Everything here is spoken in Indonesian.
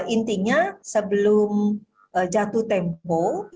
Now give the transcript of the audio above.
intinya sebelum jatuh tempo